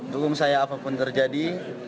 tentu saya apapun terjadi